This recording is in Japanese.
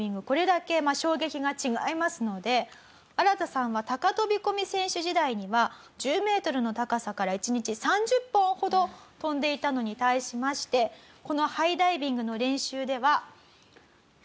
これだけ衝撃が違いますのでアラタさんは高飛込選手時代には１０メートルの高さから１日３０本ほど飛んでいたのに対しましてこのハイダイビングの練習では。